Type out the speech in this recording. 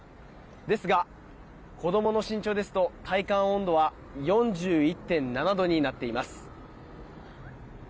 ですが、子どもの身長ですと体感温度は４１．７度になっています。